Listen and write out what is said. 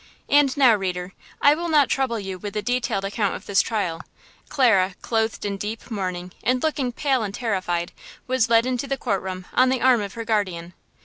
And now, reader, I will not trouble you with a detailed account of this trial. Clara, clothed in deep mourning, and looking pale and terrified, was led into the court room on the arm of her guardian.